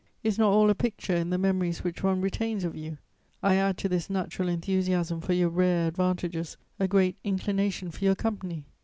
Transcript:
Is not all a picture in the memories which one retains of you? I add to this natural enthusiasm for your rare advantages a great inclination for your company.